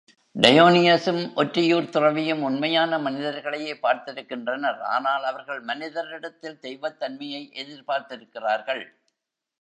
டயோனியசும் ஒற்றியூர்த் துறவியும் உண்மையான மனிதர்களையே பார்த்திருக்கின்றனர் ஆனால், அவர்கள் மனிதரிடத்தில் தெய்வத் தன்மையை எதிர்பார்த்திருக்கிறார்கள்.